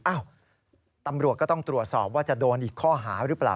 อ้าวตำรวจก็ต้องตรวจสอบว่าจะโดนอีกข้อหาหรือเปล่า